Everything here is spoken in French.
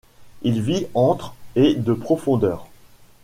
Il vit entre et de profondeur.